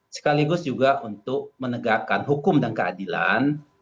sekaligus juga untuk menegakkan hukum dan keadilan